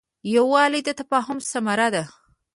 یووالی د تفاهم ثمره ده.